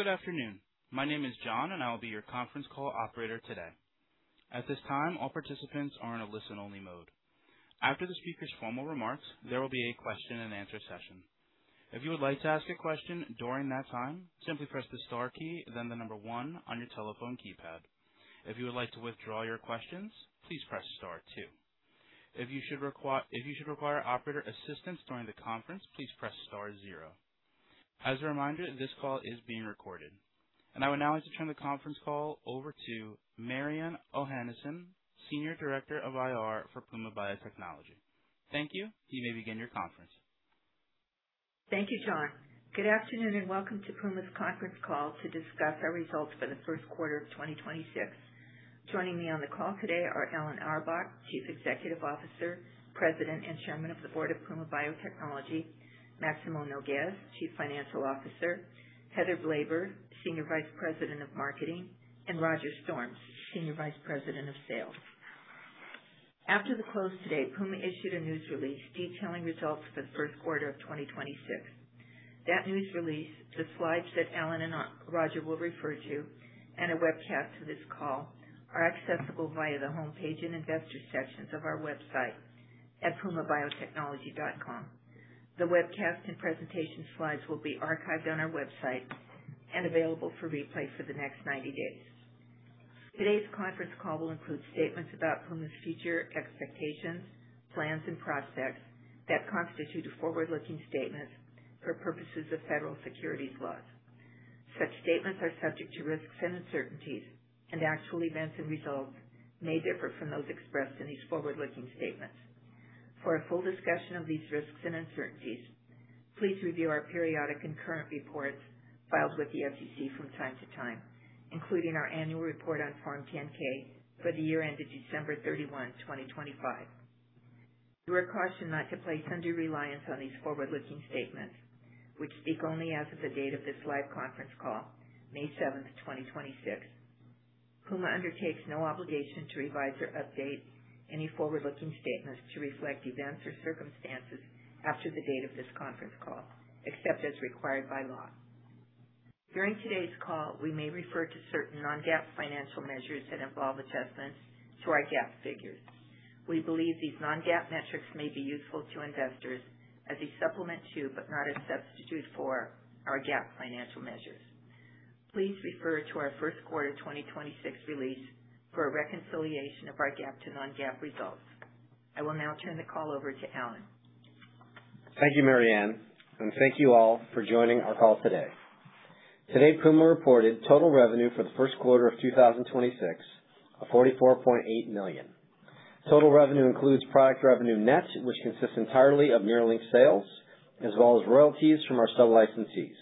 Good afternoon. My name is John. I will be your conference call operator today. At this time, all participants are in a listen-only mode. After the speaker's formal remarks, there will be a question-and-answer session. If you would like to ask a question during that time, simply press the star key, then the number one on your telephone keypad. If you would like to withdraw your questions, please press star two. If you should require operator assistance during the conference, please press star zero. As a reminder, this call is being recorded. I would now like to turn the conference call over to Mariann Ohanesian, Senior Director of IR for Puma Biotechnology. Thank you. You may begin your conference. Thank you, John. Good afternoon, and welcome to Puma's conference call to discuss our results for the first quarter of 2026. Joining me on the call today are Alan Auerbach, Chief Executive Officer, President and Chairman of the Board of Puma Biotechnology, Maximo Nougues, Chief Financial Officer, Heather Blaber, Senior Vice President of Marketing, and Roger Storms, Senior Vice President of Sales. After the close today, Puma issued a news release detailing results for the first quarter of 2026. That news release, the slides that Alan and Roger will refer to, and a webcast to this call are accessible via the homepage and investor sections of our website at pumabiotechnology.com. The webcast and presentation slides will be archived on our website and available for replay for the next 90 days. Today's conference call will include statements about Puma's future expectations, plans, and prospects that constitute a forward-looking statement for purposes of federal securities laws. Such statements are subject to risks and uncertainties, and actual events and results may differ from those expressed in these forward-looking statements. For a full discussion of these risks and uncertainties, please review our periodic and current reports filed with the SEC from time to time, including our annual report on Form 10-K for the year ended December 31, 2025. You are cautioned not to place undue reliance on these forward-looking statements, which speak only as of the date of this live conference call, May 7, 2026. Puma undertakes no obligation to revise or update any forward-looking statements to reflect events or circumstances after the date of this conference call, except as required by law. During today's call, we may refer to certain non-GAAP financial measures that involve adjustments to our GAAP figures. We believe these non-GAAP metrics may be useful to investors as a supplement to, but not a substitute for, our GAAP financial measures. Please refer to our first quarter 2026 release for a reconciliation of our GAAP to non-GAAP results. I will now turn the call over to Alan. Thank you, Mariann, and thank you all for joining our call today. Today, Puma reported total revenue for the first quarter of 2026 of $44.8 million. Total revenue includes product revenue net, which consists entirely of NERLYNX sales, as well as royalties from our sub-licensees.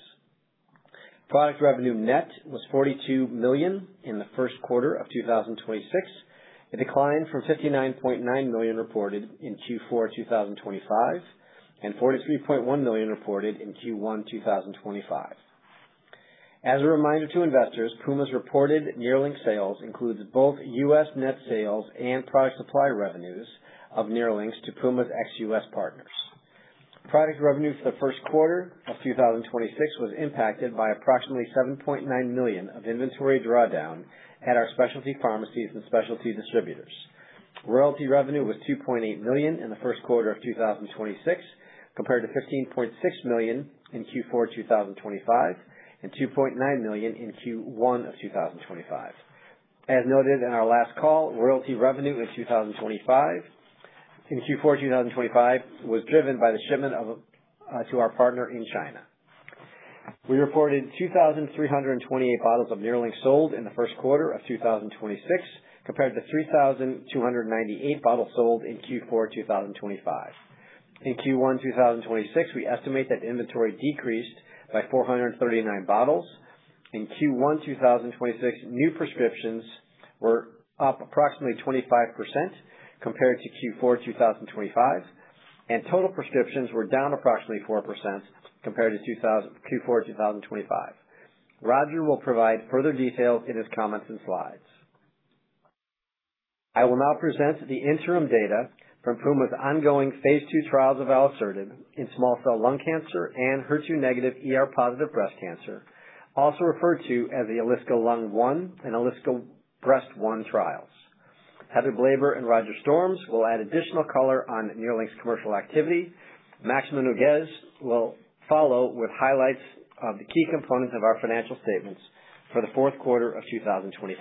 Product revenue net was $42 million in the first quarter of 2026. It declined from $59.9 million reported in Q4 2025 and $43.1 million reported in Q1 2025. As a reminder to investors, Puma's reported NERLYNX sales includes both U.S. net sales and product supply revenues of NERLYNX to Puma's ex-U.S. partners. Product revenue for the first quarter of 2026 was impacted by approximately $7.9 million of inventory drawdown at our specialty pharmacies and specialty distributors. Royalty revenue was $2.8 million in the first quarter of 2026, compared to $15.6 million in Q4 2025 and $2.9 million in Q1 2025. As noted in our last call, royalty revenue in Q4 2025 was driven by the shipment to our partner in China. We reported 2,328 bottles of NERLYNX sold in the first quarter of 2026, compared to 3,298 bottles sold in Q4 2025. In Q1 2026, we estimate that inventory decreased by 439 bottles. In Q1 2026, new prescriptions were up approximately 25% compared to Q4 2025, and total prescriptions were down approximately 4% compared to Q4 2025. Roger will provide further details in his comments and slides. I will now present the interim data from Puma's ongoing phase II trials of alisertib in small cell lung cancer and HER2 negative ER positive breast cancer, also referred to as the ALISCA™-Lung1 and ALISCA™-Breast1 trials. Heather Blaber and Roger Storms will add additional color on NERLYNX's commercial activity. Maximo Nougues will follow with highlights of the key components of our financial statements for the fourth quarter of 2025.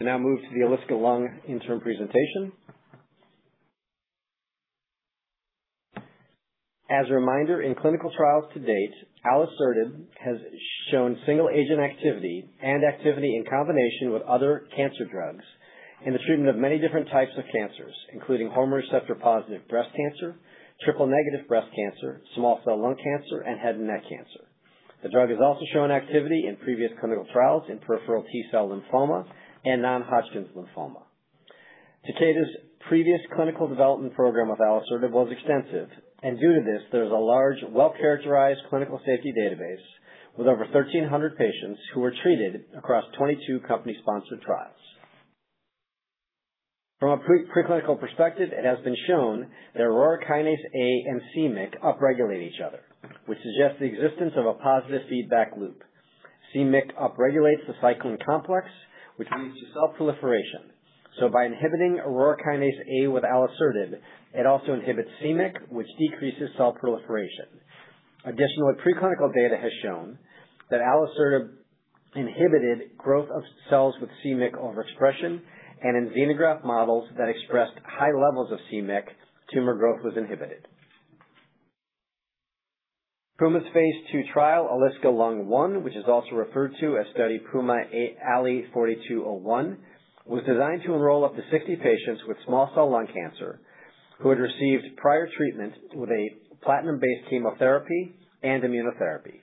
We now move to the ALISCA™-Lung1 interim presentation. As a reminder, in clinical trials to date, alisertib has shown single-agent activity and activity in combination with other cancer drugs in the treatment of many different types of cancers, including hormone receptor-positive breast cancer, triple-negative breast cancer, small cell lung cancer, and head and neck cancer. The drug has also shown activity in previous clinical trials in peripheral T-cell lymphoma and non-Hodgkin's lymphoma. Takeda's previous clinical development program with alisertib was extensive, and due to this, there is a large, well-characterized clinical safety database with over 1,300 patients who were treated across 22 company-sponsored trials. From a preclinical perspective, it has been shown that Aurora kinase A and c-MYC upregulate each other, which suggests the existence of a positive feedback loop. c-MYC upregulates the cycling complex, which leads to self-proliferation. By inhibiting Aurora kinase A with alisertib, it also inhibits c-MYC, which decreases cell proliferation. Additionally, preclinical data has shown that alisertib inhibited growth of cells with c-MYC overexpression and in xenograft models that expressed high levels of c-MYC, tumor growth was inhibited. Puma's phase II trial, ALISCA™-Lung1, which is also referred to as study PUMA-ALI-4201, was designed to enroll up to 60 patients with small cell lung cancer who had received prior treatment with a platinum-based chemotherapy and immunotherapy.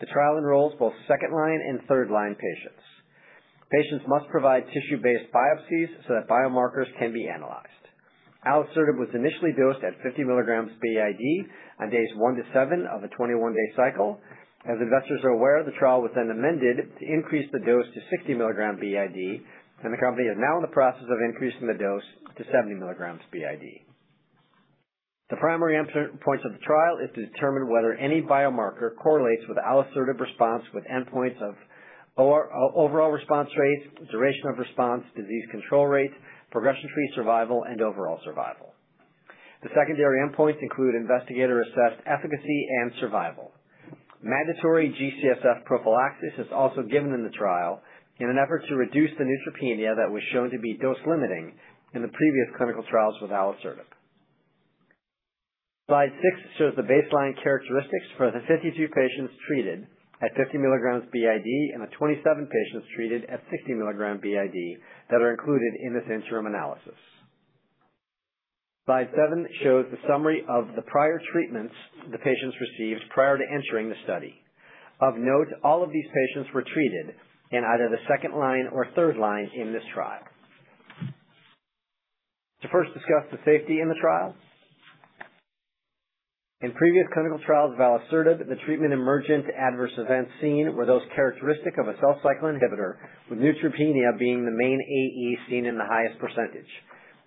The trial enrolls both second-line and third-line patients. Patients must provide tissue-based biopsies so that biomarkers can be analyzed. alisertib was initially dosed at 50 mg BID on days one to seven of a 21-day cycle. As investors are aware, the trial was then amended to increase the dose to 60 mg BID, and the company is now in the process of increasing the dose to 70 mg BID. The primary endpoint of the trial is to determine whether any biomarker correlates with alisertib response with endpoints of overall response rate, duration of response, disease control rate, progression-free survival, and overall survival. The secondary endpoints include investigator-assessed efficacy and survival. Mandatory G-CSF prophylaxis is also given in the trial in an effort to reduce the neutropenia that was shown to be dose limiting in the previous clinical trials with alisertib. Slide six shows the baseline characteristics for the 52 patients treated at 50 mg BID and the 27 patients treated at 60 mg BID that are included in this interim analysis. Slide seven shows the summary of the prior treatments the patients received prior to entering the study. Of note, all of these patients were treated in either the second line or third line in this trial. To first discuss the safety in the trial. In previous clinical trials of alisertib, the treatment emergent adverse events seen were those characteristic of a cell cycle inhibitor, with neutropenia being the main AE seen in the highest percentage.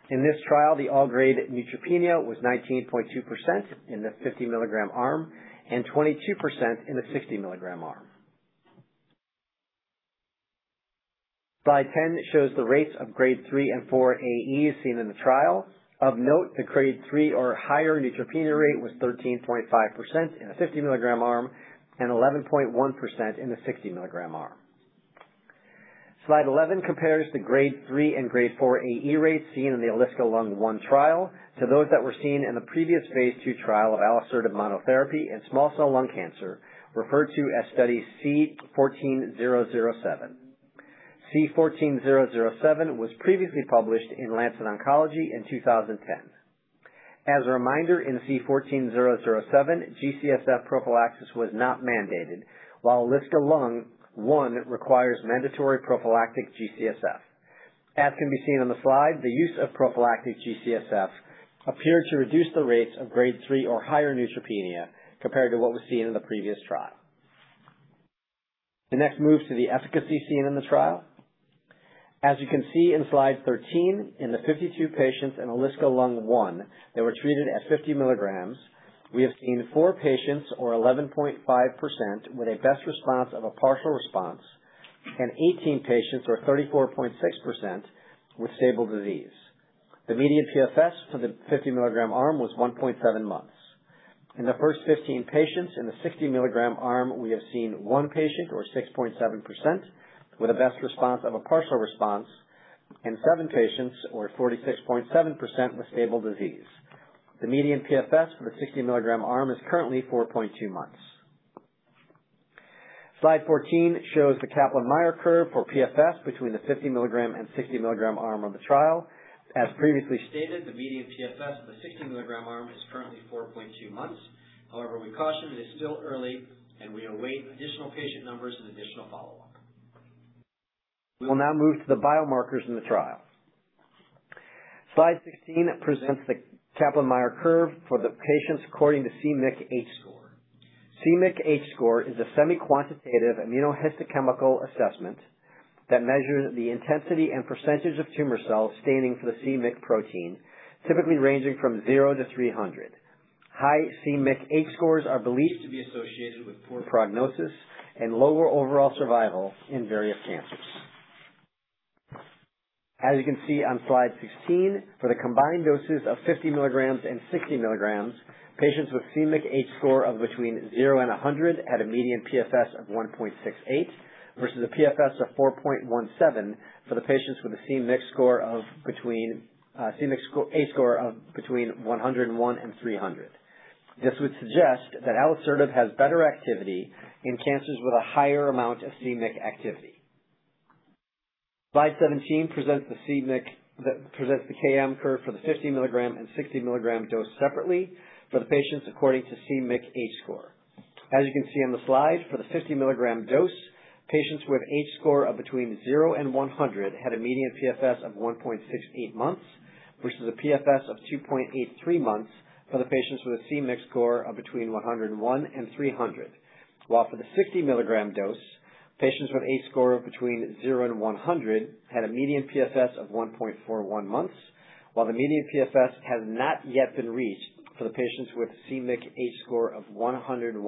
In this trial, the all grade neutropenia was 19.2% in the 50 mg arm and 22% in the 60 mg arm. Slide 10 shows the rates of Grade 3 and 4 AEs seen in the trial. Of note, the Grade 3 or higher neutropenia rate was 13.5% in the 50 mg arm and 11.1% in the 60 mg arm. Slide 11 compares the Grade 3 and grade 4 AE rates seen in the ALISCA™-Lung1 trial to those that were seen in the previous phase II trial of alisertib monotherapy in small cell lung cancer, referred to as study C14007. C14007 was previously published in Lancet Oncology in 2010. As a reminder, in C14007, G-CSF prophylaxis was not mandated, while ALISCA™-Lung1 requires mandatory prophylactic G-CSF. As can be seen on the slide, the use of prophylactic G-CSF appeared to reduce the rates of Grade 3 or higher neutropenia compared to what was seen in the previous trial. The next moves to the efficacy seen in the trial. As you can see in slide 13, in the 52 patients in ALISCA-Lung1 that were treated at 50 mg, we have seen four patients or 11.5% with a best response of a partial response and 18 patients or 34.6% with stable disease. The median PFS for the 50-milligram arm was 1.7 months. In the first 15 patients in the 60 mg arm, we have seen one patient or 6.7% with a best response of a partial response and seven patients or 46.7% with stable disease. The median PFS for the 60 mg arm is currently 4.2 months. Slide 14 shows the Kaplan-Meier curve for PFS between the 50 mg and 60 mg arm of the trial. As previously stated, the median PFS for the 60 mg arm is currently 4.2 months. However, we caution it is still early and we await additional patient numbers and additional follow-up. We will now move to the biomarkers in the trial. Slide 16 presents the Kaplan-Meier curve for the patients according to c-MYC H-score. c-MYC H-score is a semi-quantitative immunohistochemical assessment that measures the intensity and percentage of tumor cells staining for the c-MYC protein, typically ranging from 0 to 300. High c-MYC H-scores are believed to be associated with poor prognosis and lower overall survival in various cancers. As you can see on slide 16, for the combined doses of 50 mg and 60 mg, patients with c-MYC H-score of between zero and 100 had a median PFS of 1.68 versus a PFS of 4.17 for the patients with a c-MYC H-score of between 101 and 300. This would suggest that alisertib has better activity in cancers with a higher amount of c-MYC activity. Slide 17 presents the KM curve for the 50 mg and 60 mg dose separately for the patients according to c-MYC H-score. As you can see on the slide, for the 50 mg dose, patients with H-score of between zero and 100 had a median PFS of 1.68 months versus a PFS of 2.83 months for the patients with a c-MYC score of between 101 and 300. For the 60 mg dose, patients with H-score of between zero and 100 had a median PFS of 1.41 months, while the median PFS has not yet been reached for the patients with c-MYC H-score of 101-300.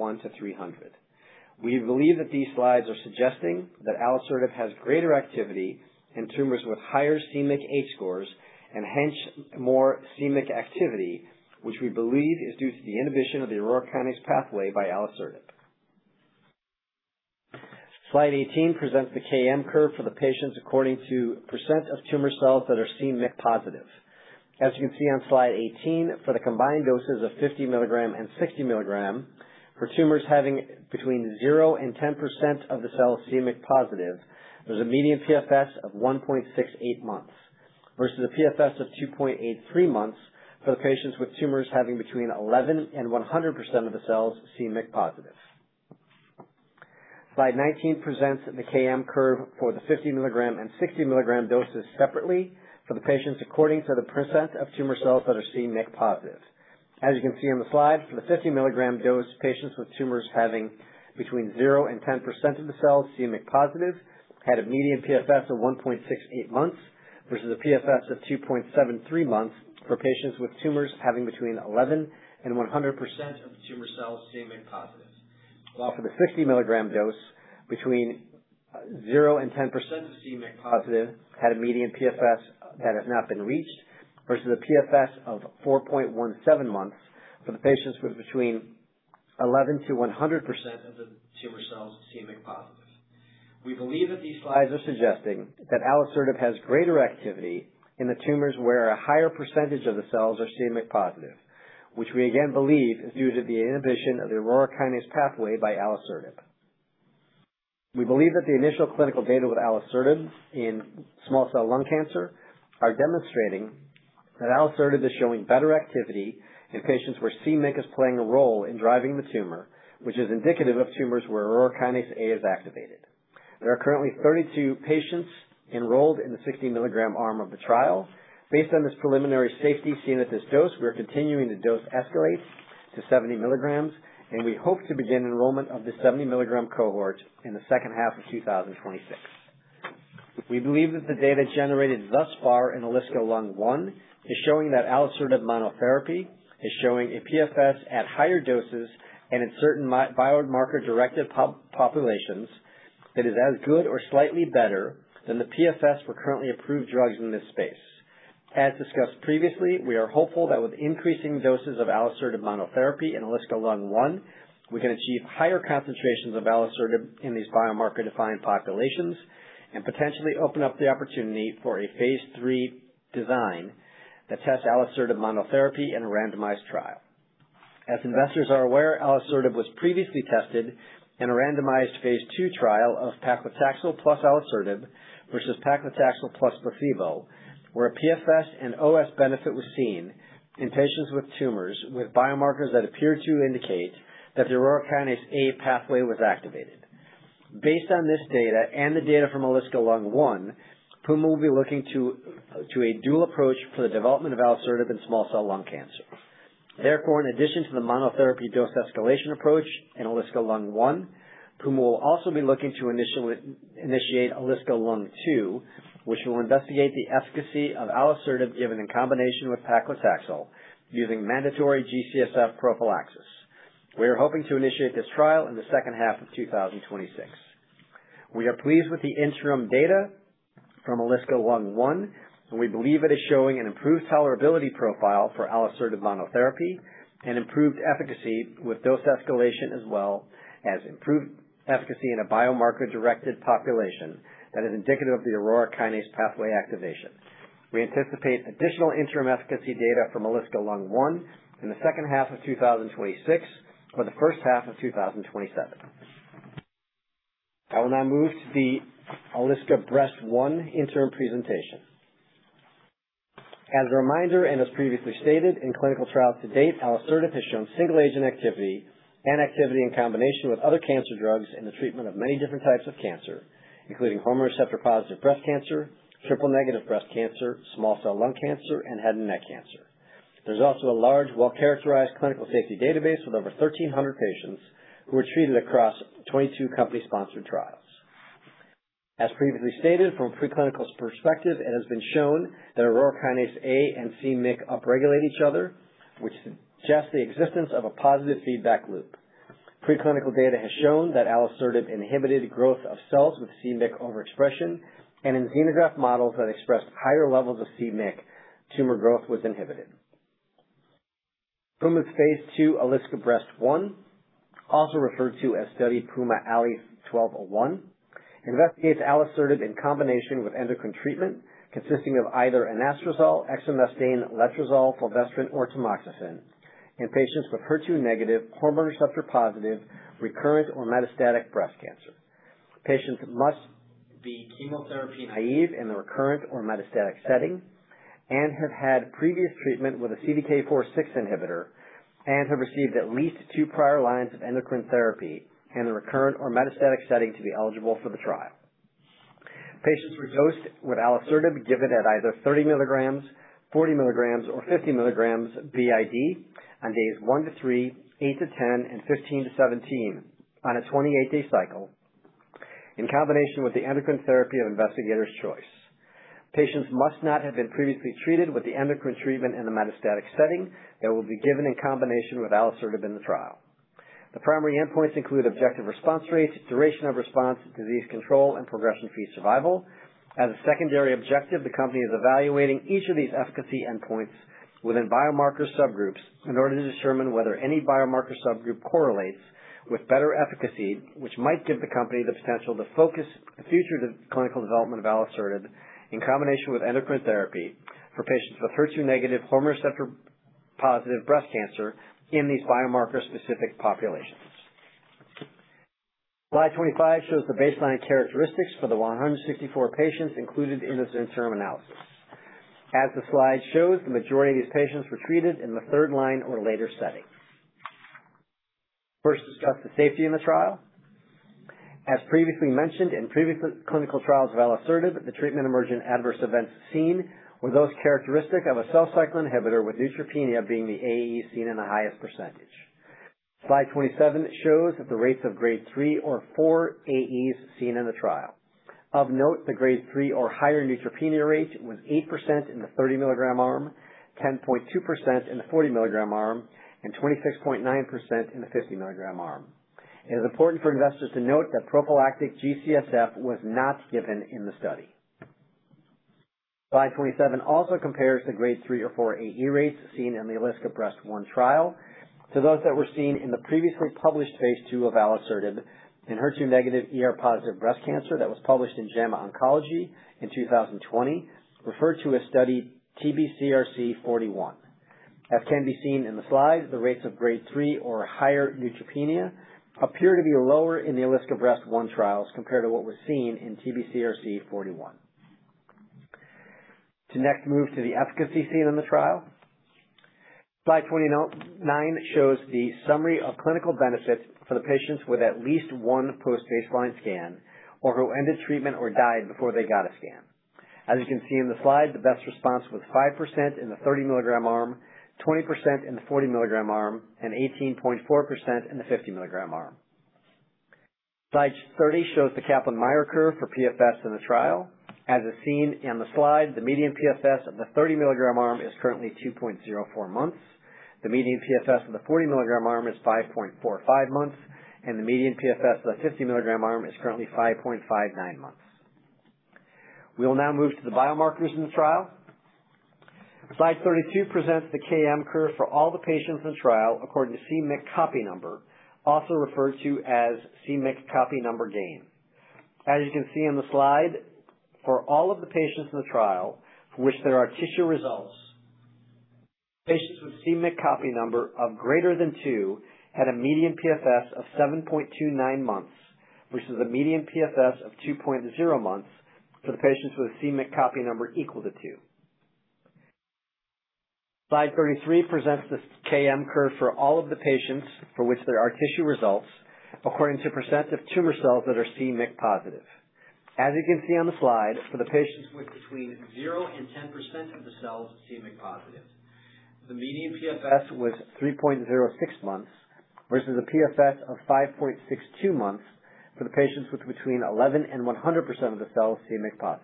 We believe that these slides are suggesting that alisertib has greater activity in tumors with higher c-MYC H-scores and hence more c-MYC activity, which we believe is due to the inhibition of the Aurora kinase A pathway by alisertib. Slide 18 presents the KM curve for the patients according to % of tumor cells that are c-MYC+. As you can see on slide 18, for the combined doses of 50 mg and 60 mg, for tumors having between 0% and 10% of the cells c-MYC+, there's a median PFS of 1.68 months, versus a PFS of 2.83 months for the patients with tumors having between 11% and 100% of the cells c-MYC+. Slide 19 presents the KM curve for the 50 mg and 60 mg doses separately for the patients according to the perent of tumor cells that are c-MYC+. As you can see on the slide, for the 50 mg dose, patients with tumors having between 0% and 10% of the cells c-MYC+ had a median PFS of 1.68 months versus a PFS of 2.73 months for patients with tumors having between 11% and 100% of the tumor cells c-MYC+. For the 60 mg dose, between 0% and 10% c-MYC+ had a median PFS that has not been reached versus a PFS of 4.17 months for the patients with between 11%-100% of the tumor cells c-MYC+. We believe that these slides are suggesting that alisertib has greater activity in the tumors where a higher percentage of the cells are c-MYC +, which we again believe is due to the inhibition of the Aurora kinase A pathway by alisertib. We believe that the initial clinical data with alisertib in small cell lung cancer are demonstrating that alisertib is showing better activity in patients where c-MYC is playing a role in driving the tumor, which is indicative of tumors where Aurora kinase A is activated. There are currently 32 patients enrolled in the 60 mg arm of the trial. Based on this preliminary safety seen at this dose, we are continuing to dose escalate to 70 milligrams, and we hope to begin enrollment of the 70 mg cohort in the second half of 2026. We believe that the data generated thus far in ALISCA™-Lung1 is showing that alisertib monotherapy is showing a PFS at higher doses and in certain biomarker-directed populations that is as good or slightly better than the PFS for currently approved drugs in this space. As discussed previously, we are hopeful that with increasing doses of alisertib monotherapy in ALISCA™-Lung1, we can achieve higher concentrations of alisertib in these biomarker-defined populations and potentially open up the opportunity for a phase III design that tests alisertib monotherapy in a randomized trial. As investors are aware, alisertib was previously tested in a randomized phase II trial of paclitaxel plus alisertib versus paclitaxel plus placebo, where a PFS and OS benefit was seen in patients with tumors with biomarkers that appear to indicate that the Aurora kinase A pathway was activated. Based on this data and the data from ALISCA™-Lung1, Puma will be looking to a dual approach for the development of alisertib in small cell lung cancer. In addition to the monotherapy dose escalation approach in ALISCA™-Lung1, Puma will also be looking to initiate ALISCA™-Lung2, which will investigate the efficacy of alisertib given in combination with paclitaxel using mandatory G-CSF prophylaxis. We are hoping to initiate this trial in the second half of 2026. We are pleased with the interim data from ALISCA™-Lung1, and we believe it is showing an improved tolerability profile for alisertib monotherapy and improved efficacy with dose escalation as well as improved efficacy in a biomarker-directed population that is indicative of the Aurora kinase A pathway activation. We anticipate additional interim efficacy data from ALISCA™-Lung1 in the second half of 2026 or the first half of 2027. I will now move to the ALISCA™-Breast1 interim presentation. As a reminder, and as previously stated, in clinical trials to date, alisertib has shown single-agent activity and activity in combination with other cancer drugs in the treatment of many different types of cancer, including hormone receptor-positive breast cancer, triple-negative breast cancer, small cell lung cancer, and head and neck cancer. There's also a large, well-characterized clinical safety database with over 1,300 patients who were treated across 22 company-sponsored trials. As previously stated, from a preclinical perspective, it has been shown that Aurora kinase A and c-MYC upregulate each other, which suggests the existence of a positive feedback loop. Preclinical data has shown that alisertib inhibited growth of cells with c-MYC overexpression, and in xenograft models that expressed higher levels of c-MYC, tumor growth was inhibited. Puma's phase II ALISCA™-Breast1, also referred to as Study PUMA-ALI-1201, investigates alisertib in combination with endocrine treatment consisting of either anastrozole, exemestane, letrozole, fulvestrant, or tamoxifen in patients with HER2 negative, hormone receptor-positive, recurrent or metastatic breast cancer. Patients must be chemotherapy naive in the recurrent or metastatic setting and have had previous treatment with a CDK4/6 inhibitor and have received at least two prior lines of endocrine therapy in the recurrent or metastatic setting to be eligible for the trial. Patients were dosed with alisertib given at either 30 mg, 40 mg, or 50 mg BID on days one-three, eight-10, and 15-17 on a 28-day cycle in combination with the endocrine therapy of investigator's choice. Patients must not have been previously treated with the endocrine treatment in the metastatic setting that will be given in combination with alisertib in the trial. The primary endpoints include objective response rates, duration of response, disease control, and progression-free survival. As a secondary objective, the company is evaluating each of these efficacy endpoints within biomarker subgroups in order to determine whether any biomarker subgroup correlates with better efficacy, which might give the company the potential to focus future clinical development of alisertib in combination with endocrine therapy for patients with HER2 negative, hormone receptor-positive breast cancer in these biomarker-specific populations. Slide 25 shows the baseline characteristics for the 164 patients included in this interim analysis. As the slide shows, the majority of these patients were treated in the third-line or later setting. First, discuss the safety in the trial. As previously mentioned in previous clinical trials of alisertib, the treatment-emergent adverse events seen were those characteristic of a cell cycle inhibitor, with neutropenia being the AE seen in the highest percentage. Slide 27 shows the rates of Grade 3 or 4 AEs seen in the trial. Of note, the Grade 3 or higher neutropenia rate was 8% in the 30-mg arm, 10.2% in the 40-mg arm, and 26.9% in the 50-mg arm. It is important for investors to note that prophylactic G-CSF was not given in the study. Slide 27 also compares the Grade 3 or 4 AE rates seen in the ALISCA™-Breast1 trial to those that were seen in the previously published phase II of alisertib in HER2-negative, ER-positive breast cancer that was published in JAMA Oncology in 2020, referred to as study TBCRC 041. As can be seen in the slide, the rates of Grade 3 or higher neutropenia appear to be lower in the ALISCA™-Breast1 trials compared to what we're seeing in TBCRC 041. To next move to the efficacy seen in the trial. Slide 29 shows the summary of clinical benefits for the patients with at least one post-baseline scan or who ended treatment or died before they got a scan. As you can see in the slide, the best response was 5% in the 30 mg arm, 20% in the 40 mg arm, and 18.4% in the 50 mg arm. Slide 30 shows the Kaplan-Meier curve for PFS in the trial. As is seen in the slide, the median PFS of the 30 mg arm is currently 2.04 months. The median PFS of the 40 mg arm is 5.45 months, and the median PFS of the 50 mg arm is currently 5.59 months. We will now move to the biomarkers in the trial. Slide 32 presents the KM curve for all the patients in the trial according to c-MYC copy number, also referred to as c-MYC copy number gain. As you can see on the slide, for all of the patients in the trial for which there are tissue results, patients with c-MYC copy number of greater than two had a median PFS of 7.29 months, versus a median PFS of 2.0 months for the patients with a c-MYC copy number equal to two. Slide 33 presents the KM curve for all of the patients for which there are tissue results according to percent of tumor cells that are c-MYC+. As you can see on the slide, for the patients with between 0% and 10% of the cells c-MYC+, the median PFS was 3.06 months versus a PFS of 5.62 months for the patients with between 11% and 100% of the cells c-MYC+.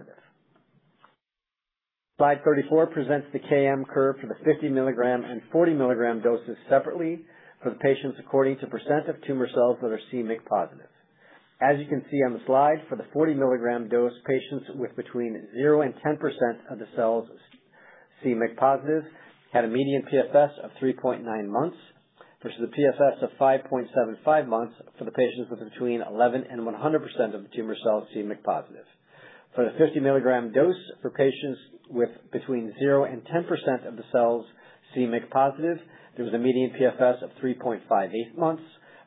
Slide 34 presents the KM curve for the 50 mg and 40 mg doses separately for the patients according to percent of tumor cells that are c-MYC+. As you can see on the slide, for the 40 mg dose, patients with between 0% and 10% of the cells c-MYC+ had a median PFS of 3.9 months versus a PFS of 5.75 months for the patients with between 11% and 100% of the tumor cells c-MYC+. For the 50 mg dose for patients with between 0% and 10% of the cells c-MYC+, there was a median PFS of 3.58 months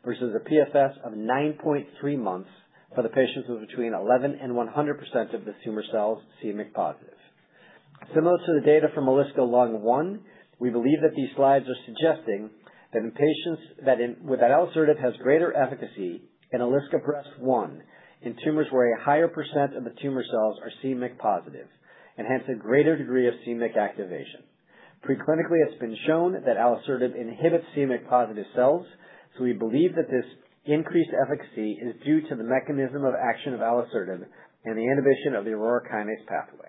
versus a PFS of 9.3 months for the patients with between 11% and 100% of the tumor cells c-MYC+. Similar to the data from ALISCA™-Lung1, we believe that these slides are suggesting that in patients with alisertib has greater efficacy in ALISCA™-Breast1 in tumors where a higher percent of the tumor cells are c-MYC+ and hence a greater degree of c-MYC activation. Preclinically, it's been shown that alisertib inhibits c-MYC+ cells. We believe that this increased efficacy is due to the mechanism of action of alisertib and the inhibition of the Aurora kinase pathway.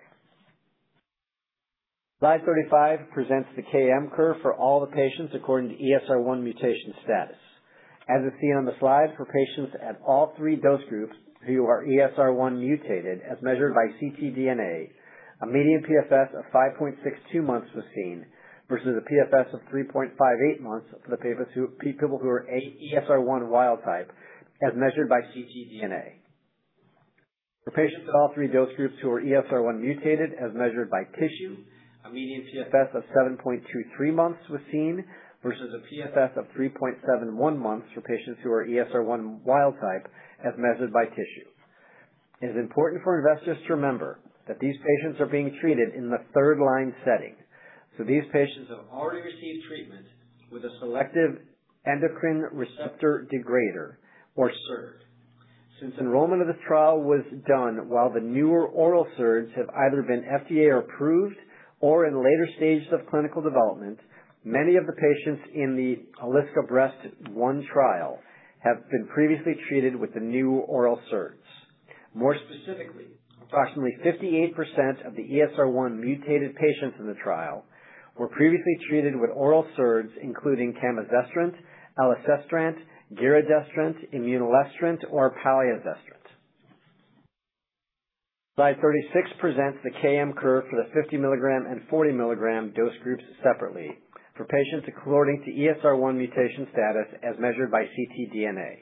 Slide 35 presents the KM curve for all the patients according to ESR1 mutation status. As is seen on the slide, for patients at all three dose groups who are ESR1 mutated as measured by ctDNA, a median PFS of 5.62 months was seen versus a PFS of 3.58 months for the people who are ESR1 wild type as measured by ctDNA. For patients at all three dose groups who are ESR1 mutated as measured by tissue, a median PFS of 7.23 months was seen versus a PFS of 3.71 months for patients who are ESR1 wild type as measured by tissue. It is important for investors to remember that these patients are being treated in the third-line setting. These patients have already received treatment with a selective endocrine receptor degrader, or SERDs. Since enrollment of this trial was done while the newer oral SERDs have either been FDA-approved or in later stages of clinical development, many of the patients in the ALISCA™-Breast1 trial have been previously treated with the new oral SERDs. More specifically, approximately 58% of the ESR1 mutated patients in the trial were previously treated with oral SERDs, including camizestrant, elacestrant, giredestrant, imlunestrant, or palazestrant. Slide 36 presents the KM curve for the 50 mg and 40 mg dose groups separately for patients according to ESR1 mutation status as measured by ctDNA.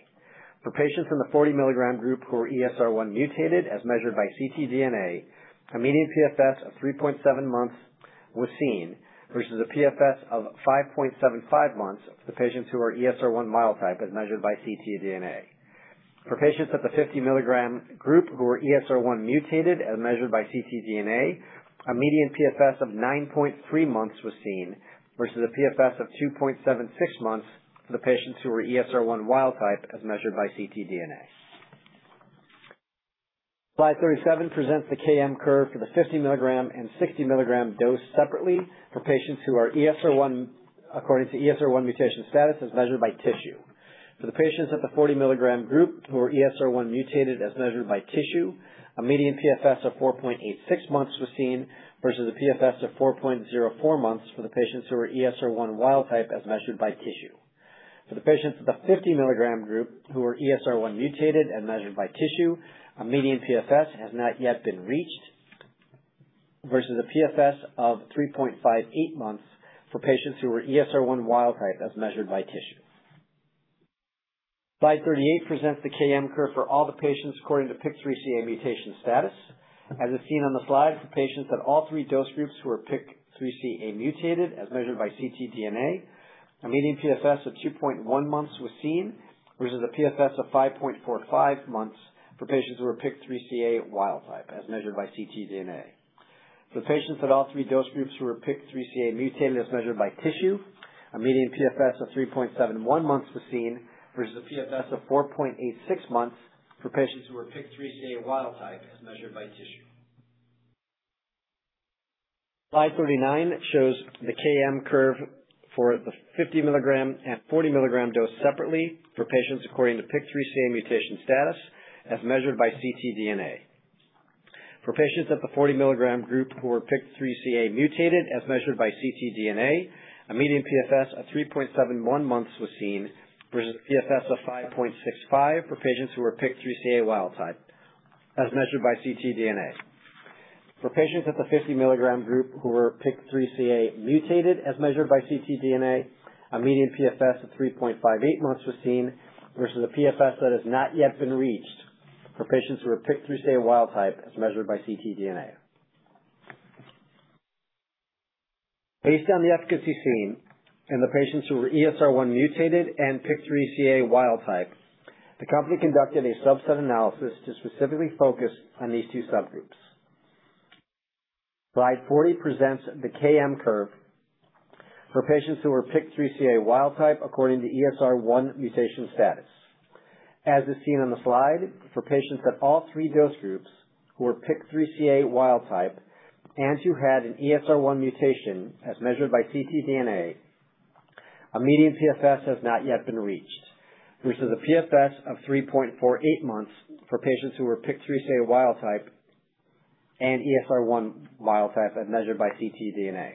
For patients in the 40 mg group who are ESR1 mutated as measured by ctDNA, a median PFS of 3.7 months was seen, versus a PFS of 5.75 months for the patients who are ESR1 wild type as measured by ctDNA. For patients at the 50 mg group who are ESR1 mutated as measured by ctDNA, a median PFS of 9.3 months was seen, versus a PFS of 2.76 months for the patients who were ESR1 wild type as measured by ctDNA. Slide 37 presents the KM curve for the 50 mg and 60 mg dose separately for patients who are ESR1 according to ESR1 mutation status as measured by tissue. For the patients at the 40 mg group who are ESR1 mutated as measured by tissue, a median PFS of 4.86 months was seen versus a PFS of 4.04 months for the patients who are ESR1 wild type as measured by tissue. For the patients of the 50 mg group who are ESR1 mutated as measured by tissue, a median PFS has not yet been reached versus a PFS of 3.58 months for patients who were ESR1 wild type as measured by tissue. Slide 38 presents the KM curve for all the patients according to PIK3CA mutation status. As is seen on the slide, for patients at all three dose groups who are PIK3CA mutated as measured by ctDNA, a median PFS of 2.1 months was seen, versus a PFS of 5.45 months for patients who were PIK3CA wild type as measured by ctDNA. For patients at all three dose groups who were PIK3CA mutated as measured by tissue, a median PFS of 3.71 months was seen versus a PFS of 4.86 months for patients who were PIK3CA wild type as measured by tissue. Slide 39 shows the KM curve for the 50 mg and 40 mg dose separately for patients according to PIK3CA mutation status as measured by ctDNA. For patients at the 40 mg group who were PIK3CA mutated as measured by ctDNA, a median PFS of 3.71 months was seen versus a PFS of 5.65 for patients who were PIK3CA wild type as measured by ctDNA. For patients at the 50 mg group who were PIK3CA mutated as measured by ctDNA, a median PFS of 3.58 months was seen versus a PFS that has not yet been reached for patients who were PIK3CA wild type as measured by ctDNA. Based on the efficacy seen in the patients who were ESR1 mutated and PIK3CA wild type, the company conducted a subset analysis to specifically focus on these two subgroups. Slide 40 presents the KM curve for patients who were PIK3CA wild type according to ESR1 mutation status. As is seen on the slide, for patients at all three dose groups who were PIK3CA wild type and who had an ESR1 mutation as measured by ctDNA, a median PFS has not yet been reached versus a PFS of 3.48 months for patients who were PIK3CA wild type and ESR1 wild type as measured by ctDNA.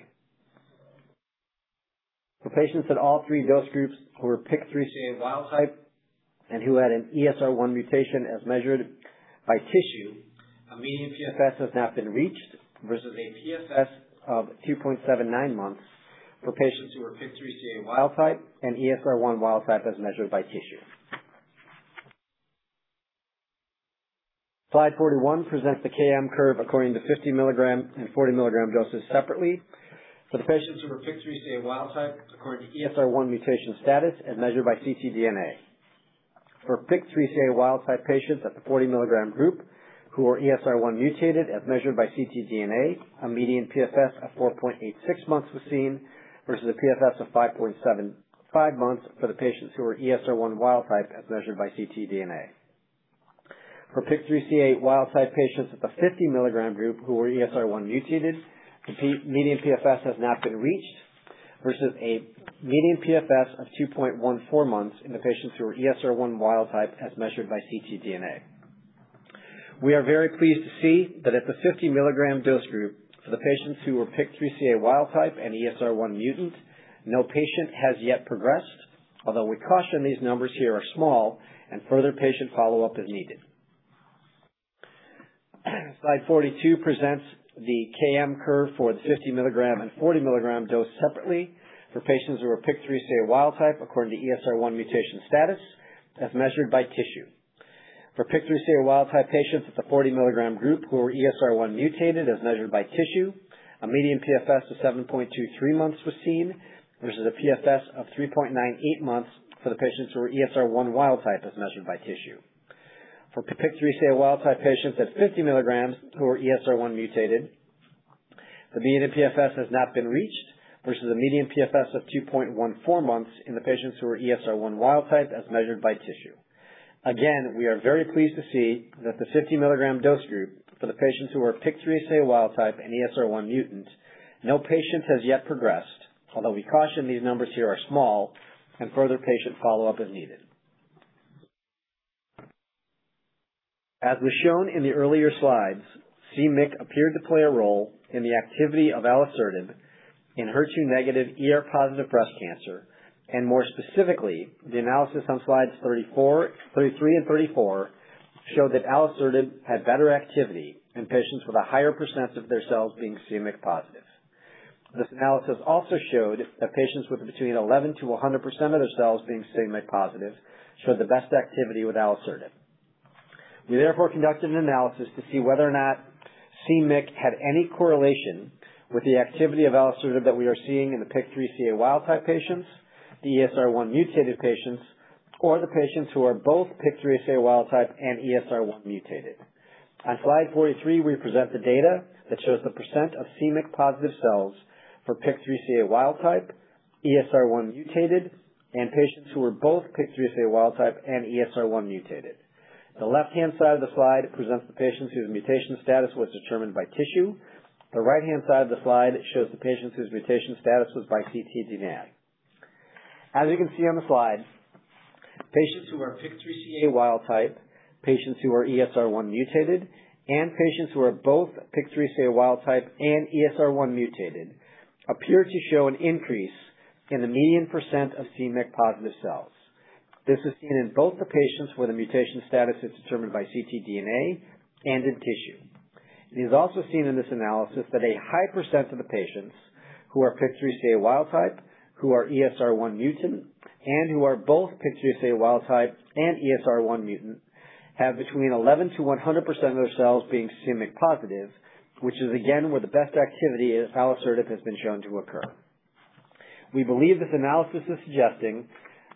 For patients at all 3 dose groups who were PIK3CA wild type and who had an ESR1 mutation as measured by tissue, a median PFS has not been reached versus a PFS of 2.79 months for patients who were PIK3CA wild type and ESR1 wild type as measured by tissue. Slide 41 presents the KM curve according to 50 mg and 40 mg doses separately for the patients who were PIK3CA wild type according to ESR1 mutation status as measured by ctDNA. For PIK3CA wild type patients at the 40 mg group who are ESR1 mutated as measured by ctDNA, a median PFS of 4.86 months was seen versus a PFS of 5.75 months for the patients who were ESR1 wild type as measured by ctDNA. For PIK3CA wild type patients at the 50 mg group who were ESR1 mutated, median PFS has not been reached versus a median PFS of 2.14 months in the patients who were ESR1 wild type as measured by ctDNA. We are very pleased to see that at the 50 mg dose group for the patients who were PIK3CA wild type and ESR1 mutant, no patient has yet progressed. Although we caution these numbers here are small and further patient follow-up is needed. Slide 42 presents the KM curve for the 50 mg and 40 mg dose separately for patients who were PIK3CA wild type according to ESR1 mutation status as measured by tissue. For PIK3CA wild type patients at the 40 mg group who were ESR1 mutated as measured by tissue, a median PFS of 7.23 months was seen versus a PFS of 3.98 months for the patients who were ESR1 wild type as measured by tissue. For PIK3CA wild-type patients at 50 mg who are ESR1 mutated, the median PFS has not been reached versus a median PFS of 2.14 months in the patients who are ESR1 wild type as measured by tissue. Again, we are very pleased to see that the 50 mg dose group for the patients who are PIK3CA wild type and ESR1 mutant, no patients has yet progressed, although we caution these numbers here are small and further patient follow-up is needed. As was shown in the earlier slides, c-MYC appeared to play a role in the activity of alisertib in HER2 negative, ER-positive breast cancer. More specifically, the analysis on slides 34, 33 and 34 show that alisertib had better activity in patients with a higher % of their cells being c-MYC+. This analysis also showed that patients with between 11%-100% of their cells being c-MYC+ showed the best activity with alisertib. We therefore conducted an analysis to see whether or not c-MYC had any correlation with the activity of alisertib that we are seeing in the PIK3CA wild type patients, the ESR1 mutated patients, or the patients who are both PIK3CA wild type and ESR1 mutated. On slide 43, we present the data that shows the % of c-MYC+ cells for PIK3CA wild type, ESR1 mutated, and patients who are both PIK3CA wild type and ESR1 mutated. The left-hand side of the slide presents the patients whose mutation status was determined by tissue. The right-hand side of the slide shows the patients whose mutation status was by ctDNA. As you can see on the slide, patients who are PIK3CA wild type, patients who are ESR1 mutated, and patients who are both PIK3CA wild type and ESR1 mutated appear to show an increase in the median percent of c-MYC+ cells. This is seen in both the patients where the mutation status is determined by ctDNA and in tissue. It is also seen in this analysis that a high percent of the patients who are PIK3CA wild type, who are ESR1 mutant, and who are both PIK3CA wild type and ESR1 mutant have between 11% to 100% of their cells being c-MYC+, which is again where the best activity of alisertib has been shown to occur. We believe this analysis is suggesting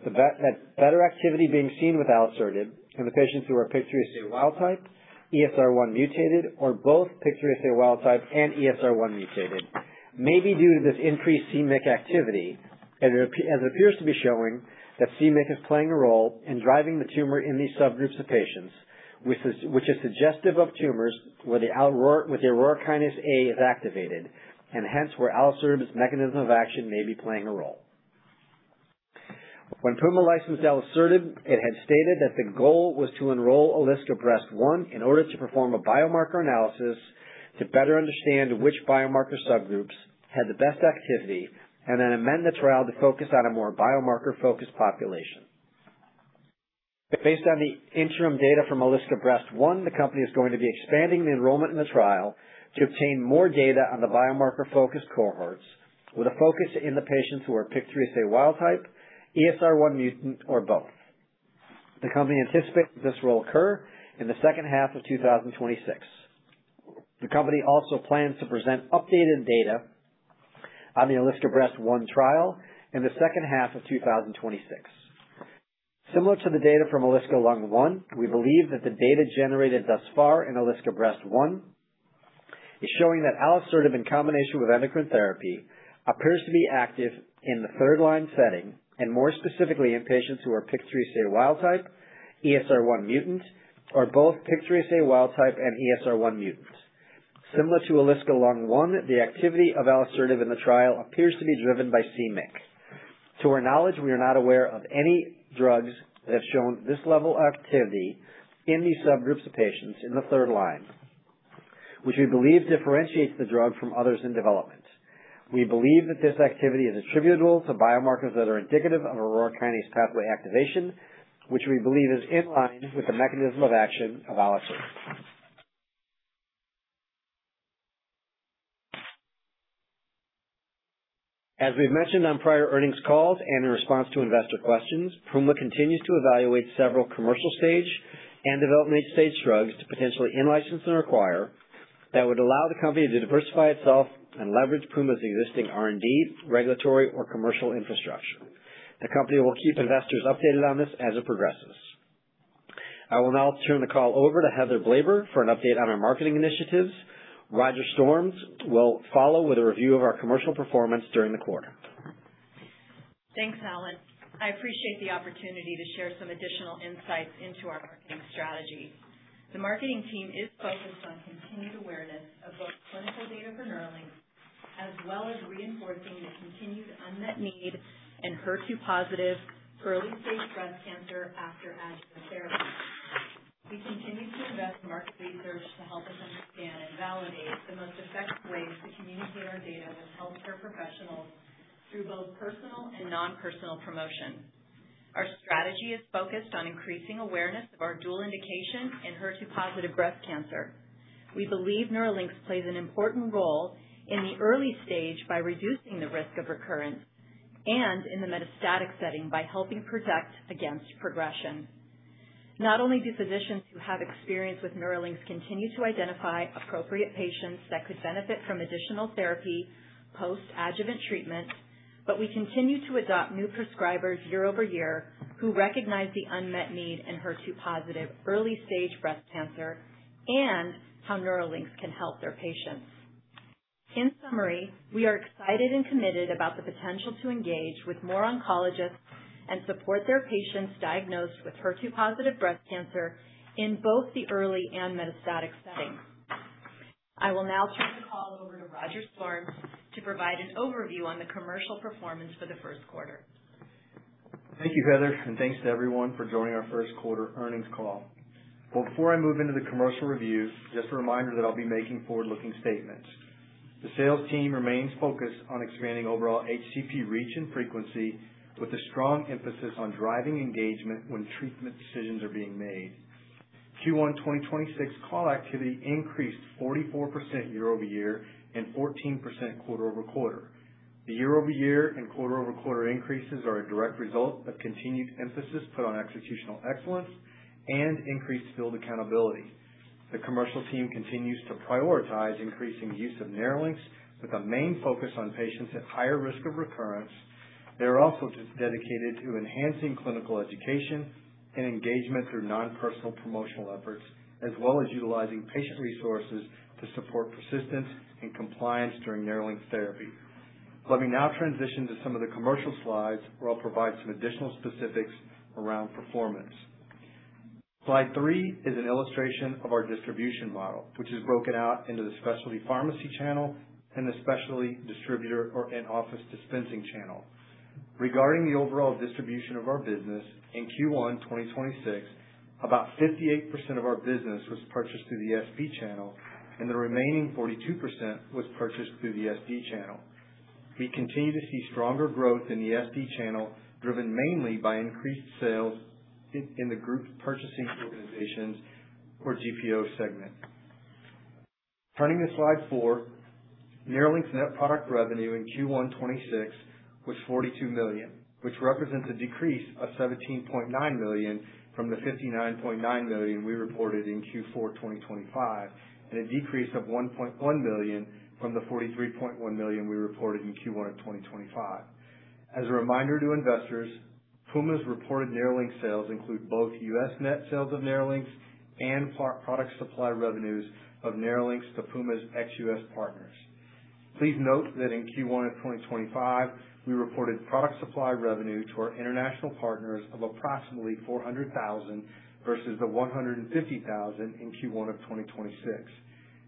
that better activity being seen with alisertib in the patients who are PIK3CA wild type, ESR1 mutated or both PIK3CA wild type and ESR1 mutated may be due to this increased c-MYC activity, and it appears to be showing that c-MYC is playing a role in driving the tumor in these subgroups of patients, which is suggestive of tumors where the Aurora kinase A is activated and hence where alisertib's mechanism of action may be playing a role. When Puma licensed alisertib, it had stated that the goal was to enroll ALISCA™-Breast1 in order to perform a biomarker analysis to better understand which biomarker subgroups had the best activity and then amend the trial to focus on a more biomarker-focused population. Based on the interim data from ALISCA™-Breast1, the company is going to be expanding the enrollment in the trial to obtain more data on the biomarker-focused cohorts with a focus in the patients who are PIK3CA wild type, ESR1 mutant, or both. The company anticipates this will occur in the second half of 2026. The company also plans to present updated data on the ALISCA™-Breast1 trial in the second half of 2026. Similar to the data from ALISCA™-Lung1, we believe that the data generated thus far in ALISCA™-Breast1 is showing that alisertib in combination with endocrine therapy appears to be active in the third-line setting and more specifically in patients who are PIK3CA wild type, ESR1 mutant, or both PIK3CA wild type and ESR1 mutant. Similar to ALISCA™-Lung1, the activity of alisertib in the trial appears to be driven by c-MYC. To our knowledge, we are not aware of any drugs that have shown this level of activity in these subgroups of patients in the third line, which we believe differentiates the drug from others in development. We believe that this activity is attributable to biomarkers that are indicative of aurora kinase pathway activation, which we believe is in line with the mechanism of action of alisertib. As we've mentioned on prior earnings calls and in response to investor questions, Puma continues to evaluate several commercial-stage and development-stage drugs to potentially in-license and acquire that would allow the company to diversify itself and leverage Puma's existing R&D, regulatory or commercial infrastructure. The company will keep investors updated on this as it progresses. I will now turn the call over to Heather Blaber for an update on our marketing initiatives. Roger Storms will follow with a review of our commercial performance during the quarter. Thanks, Alan. I appreciate the opportunity to share some additional insights into our marketing strategy. The marketing team is focused on continued awareness of both clinical data for NERLYNX, as well as reinforcing the continued unmet need in HER2-positive early-stage breast cancer after adjuvant therapy. We continue to invest in market research to help us understand and validate the most effective ways to communicate our data with healthcare professionals through both personal and non-personal promotion. Our strategy is focused on increasing awareness of our dual indication in HER2-positive breast cancer. We believe NERLYNX plays an important role in the early stage by reducing the risk of recurrence and in the metastatic setting by helping protect against progression. Not only do physicians who have experience with NERLYNX continue to identify appropriate patients that could benefit from additional therapy post-adjuvant treatment. We continue to adopt new prescribers year-over-year who recognize the unmet need in HER2-positive early-stage breast cancer and how NERLYNX can help their patients. In summary, we are excited and committed about the potential to engage with more oncologists and support their patients diagnosed with HER2-positive breast cancer in both the early and metastatic setting. I will now turn the call over to Roger Storms to provide an overview on the commercial performance for the first quarter. Thank you, Heather, and thanks to everyone for joining our 1st quarter earnings call. Before I move into the commercial review, just a reminder that I'll be making forward-looking statements. The sales team remains focused on expanding overall HCP reach and frequency with a strong emphasis on driving engagement when treatment decisions are being made. Q1 2026 call activity increased 44% year-over-year and 14% quarter-over-quarter. The year-over-year and quarter-over-quarter increases are a direct result of continued emphasis put on executional excellence and increased field accountability. The commercial team continues to prioritize increasing use of NERLYNX with a main focus on patients at higher risk of recurrence. They're also dedicated to enhancing clinical education and engagement through non-personal promotional efforts, as well as utilizing patient resources to support persistence and compliance during NERLYNX therapy. Let me now transition to some of the commercial slides, where I'll provide some additional specifics around performance. Slide three is an illustration of our distribution model, which is broken out into the specialty pharmacy channel and the specialty distributor or in-office dispensing channel. Regarding the overall distribution of our business, in Q1 2026, about 58% of our business was purchased through the SP channel and the remaining 42% was purchased through the SD channel. We continue to see stronger growth in the SD channel, driven mainly by increased sales in the group purchasing organizations or GPO segment. Turning to slide four. NERLYNX net product revenue in Q1 2026 was $42 million, which represents a decrease of $17.9 million from the $59.9 million we reported in Q4 2025, and a decrease of $1.1 million from the $43.1 million we reported in Q1 of 2025. As a reminder to investors, Puma's reported NERLYNX sales include both U.S. net sales of NERLYNX and product supply revenues of NERLYNX to Puma's ex-U.S. partners. Please note that in Q1 of 2025, we reported product supply revenue to our international partners of approximately $400,000 versus the $150,000 in Q1 of 2026.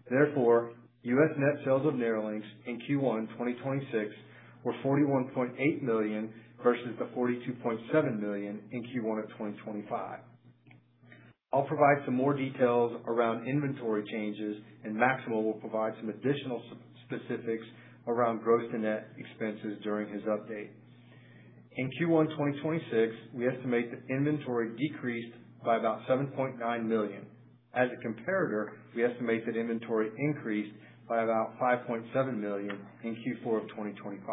Therefore, U.S. net sales of NERLYNX in Q1 2026 were $41.8 million versus the $42.7 million in Q1 of 2025. I'll provide some more details around inventory changes and Maximo will provide some additional specifics around gross and net expenses during his update. In Q1 2026, we estimate that inventory decreased by about $7.9 million. As a comparator, we estimate that inventory increased by about $5.7 million in Q4 of 2025.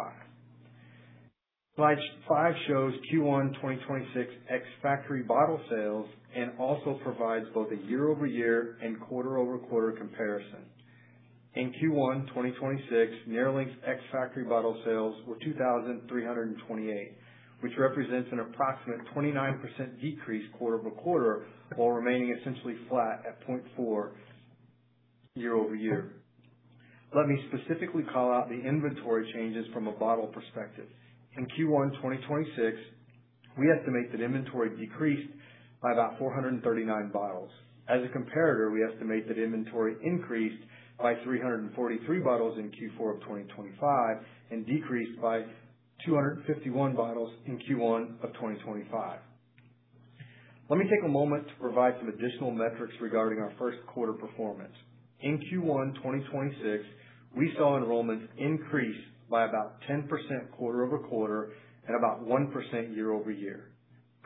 Slide five shows Q1 2026 ex-factory bottle sales and also provides both a year-over-year and quarter-over-quarter comparison. In Q1 2026, NERLYNX ex-factory bottle sales were 2,328, which represents an approximate 29% decrease quarter-over-quarter, while remaining essentially flat at 0.4 year-over-year. Let me specifically call out the inventory changes from a bottle perspective. In Q1 2026, we estimate that inventory decreased by about 439 bottles. As a comparator, we estimate that inventory increased by 343 bottles in Q4 of 2025 and decreased by 251 bottles in Q1 of 2025. Let me take a moment to provide some additional metrics regarding our first quarter performance. In Q1 2026, we saw enrollments increase by about 10% quarter-over-quarter and about 1% year-over-year.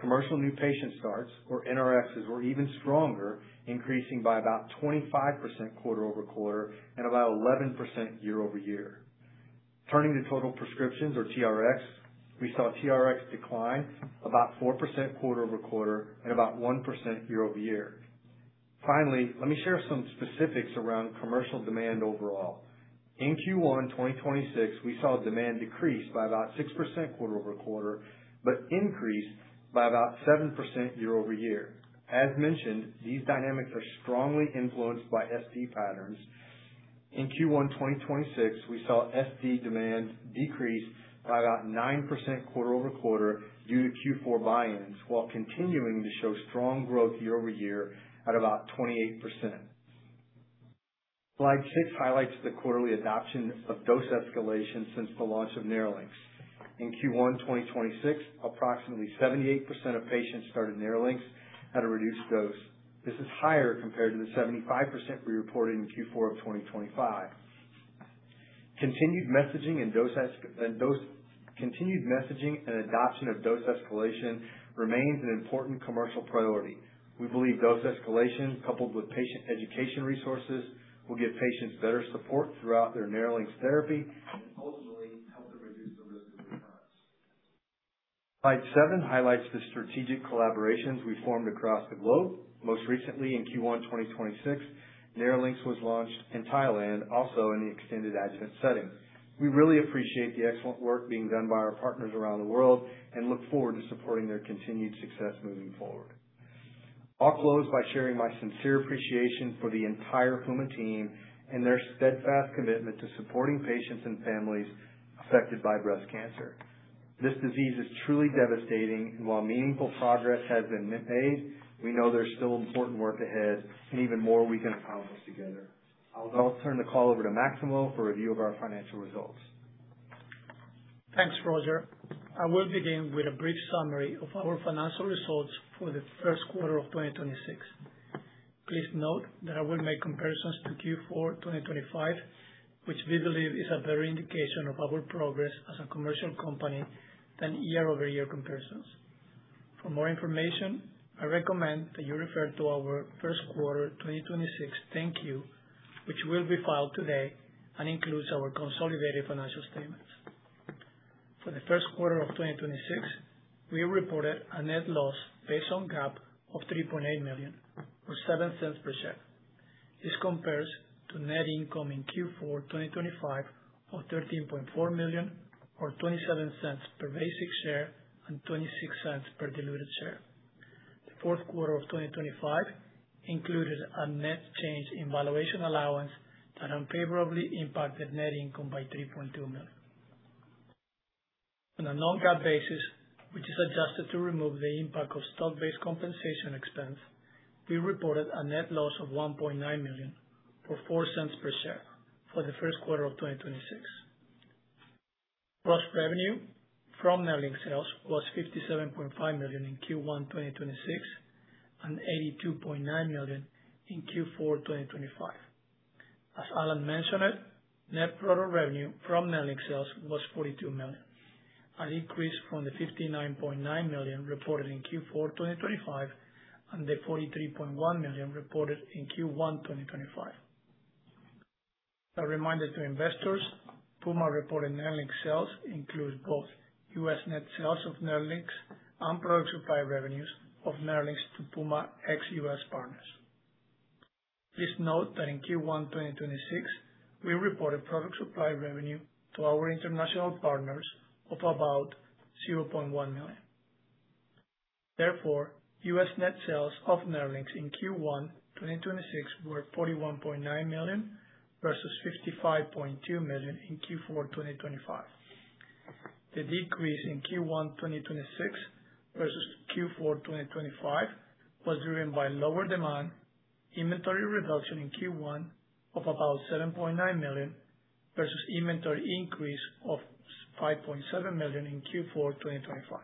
Commercial new patient starts, or NRXs, were even stronger, increasing by about 25% quarter-over-quarter and about 11% year-over-year. Turning to total prescriptions, or TRXs, we saw TRXs decline about 4% quarter-over-quarter and about 1% year-over-year. Finally, let me share some specifics around commercial demand overall. In Q1 2026, we saw demand decrease by about 6% quarter-over-quarter, but increase by about 7% year-over-year. As mentioned, these dynamics are strongly influenced by SD patterns. In Q1 2026, we saw SD demand decrease by about 9% quarter-over-quarter due to Q4 buy-ins, while continuing to show strong growth year-over-year at about 28%. Slide six highlights the quarterly adoption of dose escalation since the launch of NERLYNX. In Q1 2026, approximately 78% of patients started NERLYNX at a reduced dose. This is higher compared to the 75% we reported in Q4 2025. Continued messaging and adoption of dose escalation remains an important commercial priority. We believe dose escalation coupled with patient education resources will give patients better support throughout their NERLYNX therapy and ultimately help them reduce the risk of recurrence. Slide seven highlights the strategic collaborations we formed across the globe. Most recently, in Q1 2026, NERLYNX was launched in Thailand, also in the extended adjuvant setting. We really appreciate the excellent work being done by our partners around the world and look forward to supporting their continued success moving forward. I'll close by sharing my sincere appreciation for the entire Puma team and their steadfast commitment to supporting patients and families affected by breast cancer. This disease is truly devastating. While meaningful progress has been made, we know there's still important work ahead and even more we can accomplish together. I'll now turn the call over to Maximo for review of our financial results. Thanks, Roger. I will begin with a brief summary of our financial results for the first quarter of 2026. Please note that I will make comparisons to Q4 2025, which we believe is a better indication of our progress as a commercial company than year-over-year comparisons. For more information, I recommend that you refer to our first quarter 2026 10-Q, which will be filed today and includes our consolidated financial statements. For the first quarter of 2026, we reported a net loss based on GAAP of $3.8 million or $0.07 per share. This compares to net income in Q4 2025 of $13.4 million or $0.27 per basic share and $0.26 per diluted share. The fourth quarter of 2025 included a net change in valuation allowance that unfavorably impacted net income by $3.2 million. On a non-GAAP basis, which is adjusted to remove the impact of stock-based compensation expense, we reported a net loss of $1.9 million for $0.04 per share for the first quarter of 2026. Gross revenue from NERLYNX sales was $57.5 million in Q1 2026 and $82.9 million in Q4 2025. As Alan mentioned, net product revenue from NERLYNX sales was $42 million, an increase from the $59.9 million reported in Q4 2025 and the $43.1 million reported in Q1 2025. A reminder to investors, Puma-reported NERLYNX sales includes both U.S. net sales of NERLYNX and product supply revenues of NERLYNX to Puma ex-U.S. partners. Please note that in Q1 2026, we reported product supply revenue to our international partners of about $0.1 million. U.S. net sales of NERLYNX in Q1 2026 were $41.9 million versus $55.2 million in Q4 2025. The decrease in Q1 2026 versus Q4 2025 was driven by lower demand, inventory reduction in Q1 of about $7.9 million, versus inventory increase of $5.7 million in Q4 2025.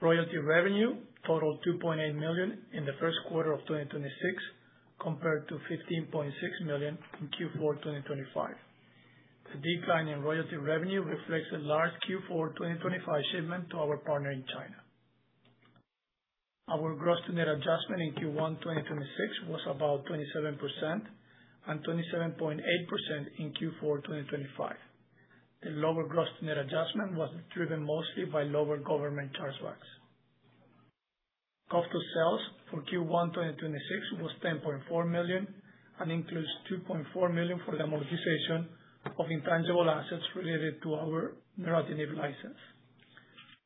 Royalty revenue totaled $2.8 million in the first quarter of 2026, compared to $15.6 million in Q4 2025. The decline in royalty revenue reflects a large Q4 2025 shipment to our partner in China. Our gross to net adjustment in Q1 2026 was about 27% and 27.8% in Q4 2025. The lower gross to net adjustment was driven mostly by lower government chargebacks. Cost of sales for Q1 2026 was $10.4 million and includes $2.4 million for the amortization of intangible assets related to our neratinib license.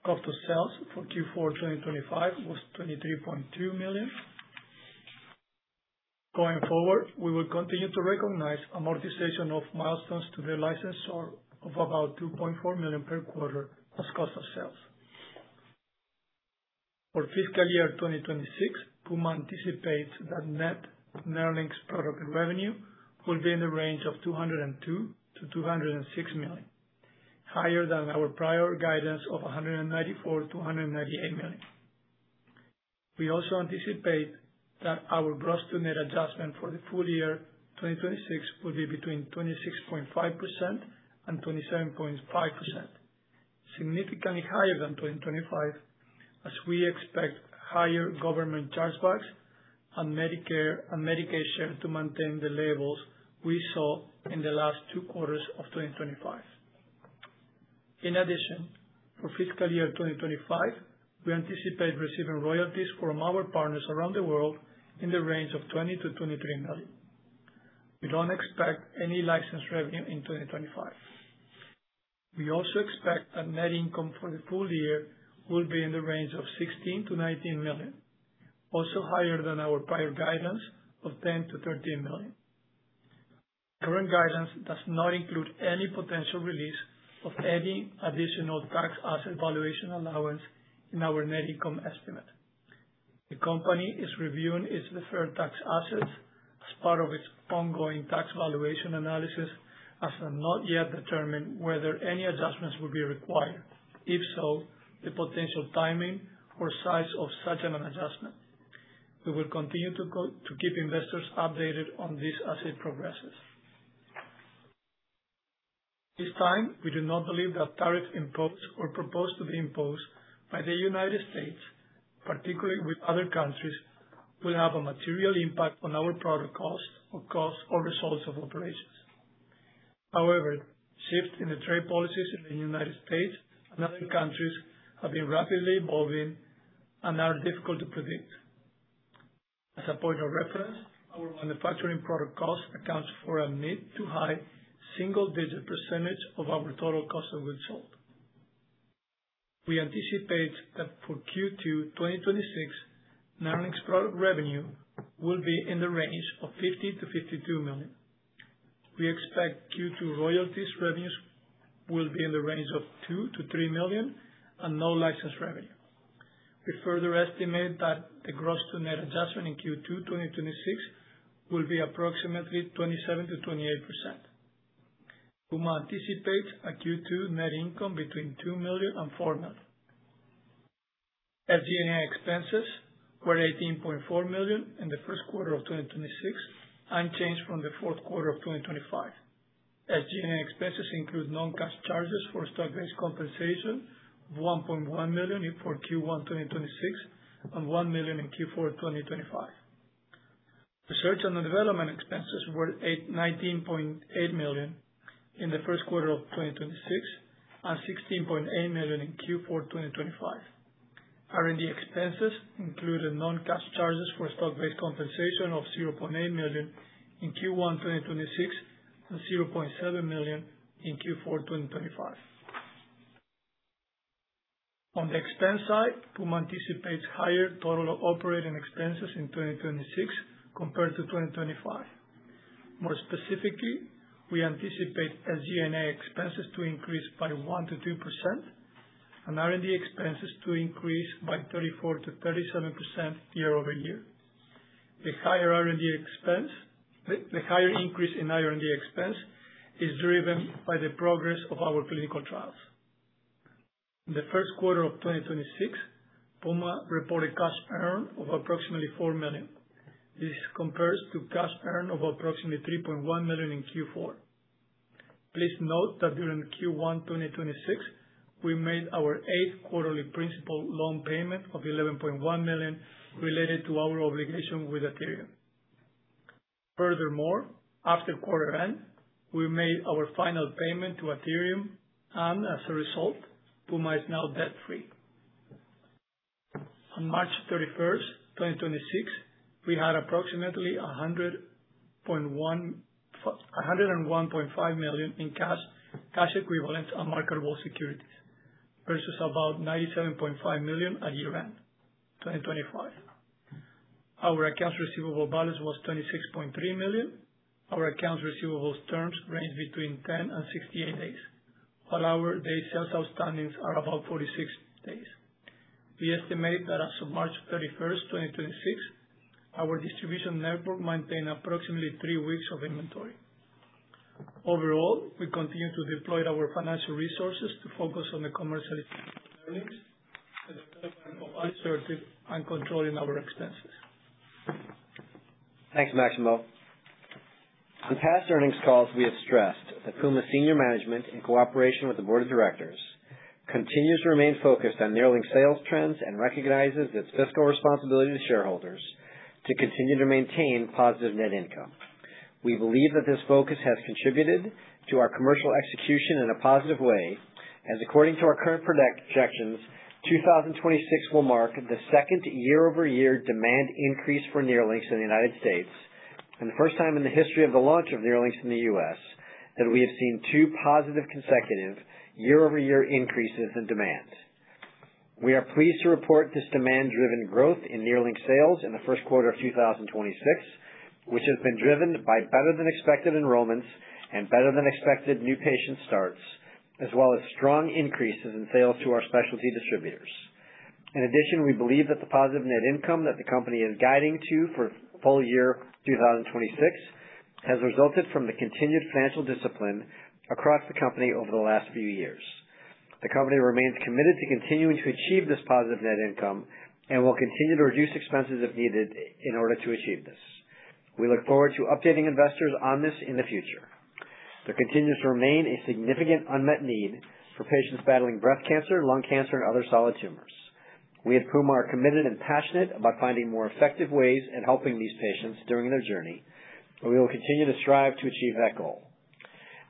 Cost of sales for Q4 2025 was $23.2 million. Going forward, we will continue to recognize amortization of milestones to the licensor of about $2.4 million per quarter as cost of sales. For fiscal year 2026, Puma anticipates that net NERLYNX product revenue will be in the range of $202 million-$206 million, higher than our prior guidance of $194 million-$198 million. We also anticipate that our gross to net adjustment for the full year 2026 will be between 26.5% and 27.5%, significantly higher than 2025, as we expect higher government chargebacks and Medicare and Medicaid share to maintain the levels we saw in the last two quarters of 2025. In addition, for fiscal year 2025, we anticipate receiving royalties from our partners around the world in the range of $20 million-$23 million. We don't expect any license revenue in 2025. We also expect that net income for the full year will be in the range of $16 million-$19 million, also higher than our prior guidance of $10 million-$13 million. Current guidance does not include any potential release of any additional tax asset valuation allowance in our net income estimate. The company is reviewing its deferred tax assets as part of its ongoing tax valuation analysis, has not yet determined whether any adjustments will be required, if so, the potential timing or size of such an adjustment. We will continue to keep investors updated on this as it progresses. At this time, we do not believe that tariffs imposed or proposed to be imposed by the U.S., particularly with other countries, will have a material impact on our product costs or results of operations. However, shifts in the trade policies in the U.S. and other countries have been rapidly evolving and are difficult to predict. As a point of reference, our manufacturing product cost accounts for a mid-to-high single-digit percentage of our total cost of goods sold. We anticipate that for Q2 2026, NERLYNX product revenue will be in the range of $50 million-$52 million. We expect Q2 royalties revenues will be in the range of $2 million-$3 million and no license revenue. We further estimate that the gross to net adjustment in Q2 2026 will be approximately 27%-28%. Puma anticipates a Q2 net income between $2 million and $4 million. SG&A expenses were $18.4 million in the first quarter of 2026, unchanged from the fourth quarter of 2025. SG&A expenses include non-cash charges for stock-based compensation, $1.1 million for Q1 2026 and $1 million in Q4 2025. Research and development expenses were $19.8 million in the first quarter of 2026 and $16.8 million in Q4 2025. R&D expenses included non-cash charges for stock-based compensation of $0.8 million in Q1 2026 and $0.7 million in Q4 2025. On the expense side, Puma anticipates higher total operating expenses in 2026 compared to 2025. More specifically, we anticipate SG&A expenses to increase by 1%-2% and R&D expenses to increase by 34%-37% year-over-year. The higher R&D expense, the higher increase in R&D expense is driven by the progress of our clinical trials. In the first quarter of 2026, Puma reported cash earned of approximately $4 million. This compares to cash earned of approximately $3.1 million in Q4. Please note that during Q1 2026, we made our eight quarterly principal loan payment of $11.1 million related to our obligation with Athyrium. Furthermore, after quarter end, we made our final payment to Athyrium, and as a result, Puma is now debt-free. On March 31, 2026, we had approximately $101.5 million in cash equivalents and marketable securities versus about $97.5 million at year-end 2025. Our accounts receivable balance was $26.3 million. Our accounts receivables terms range between 10 and 68 days, while our day sales outstandings are about 46 days. We estimate that as of March 31, 2026, our distribution network maintained approximately three weeks of inventory. Overall, we continue to deploy our financial resources to focus on the commercial of alisertib and controlling our expenses. Thanks, Maximo. On past earnings calls, we have stressed that Puma senior management, in cooperation with the board of directors, continues to remain focused on NERLYNX sales trends and recognizes its fiscal responsibility to shareholders to continue to maintain positive net income. We believe that this focus has contributed to our commercial execution in a positive way, as according to our current projections, 2026 will mark the second year-over-year demand increase for NERLYNX in the United States and the first time in the history of the launch of NERLYNX in the U.S. that we have seen two positive consecutive year-over-year increases in demand. We are pleased to report this demand-driven growth in NERLYNX sales in the first quarter of 2026, which has been driven by better than expected enrollments and better than expected new patient starts, as well as strong increases in sales to our specialty distributors. In addition, we believe that the positive net income that the company is guiding to for full year 2026 has resulted from the continued financial discipline across the company over the last few years. The company remains committed to continuing to achieve this positive net income and will continue to reduce expenses if needed in order to achieve this. We look forward to updating investors on this in the future. There continues to remain a significant unmet need for patients battling breast cancer, lung cancer and other solid tumors. We at Puma are committed and passionate about finding more effective ways in helping these patients during their journey, and we will continue to strive to achieve that goal.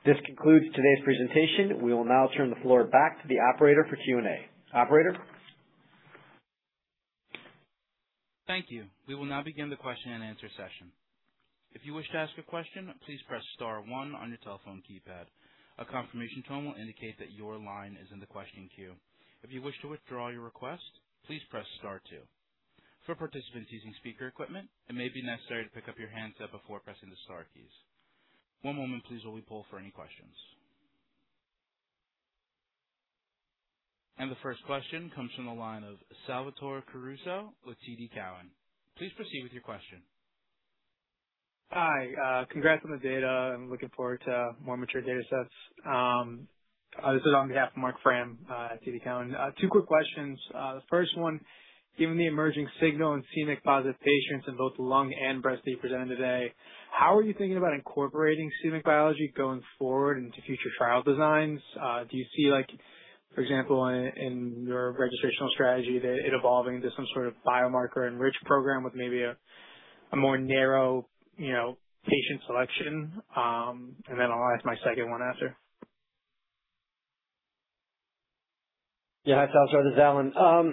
This concludes today's presentation. We will now turn the floor back to the operator for Q&A. Operator? Thank you. We will now begin the question-and-answer session. If you wish to ask a question, please press star one on your telephone keypad. A confirmation tone will indicate that your line is in the question queue. If you wish to withdraw your request, please press star two. For participants using speaker equipment, it may be necessary to pick up your handset before pressing the star keys. One moment please while we poll for any questions. The first question comes from the line of Salvatore Caruso with TD Cowen. Please proceed with your question. Hi, congrats on the data and looking forward to more mature datasets. This is on behalf of Marc Frahm at TD Cowen. Two quick questions. The first one, given the emerging signal in c-MYC+ patients in both lung and breast that you presented today, how are you thinking about incorporating c-MYC biology going forward into future trial designs? Do you see For example, in your registrational strategy that it evolving into some sort of biomarker-enriched program with maybe a more narrow, you know, patient selection. Then I'll ask my second one after. Yeah. Hi, Sal. Sorry, this is Alan.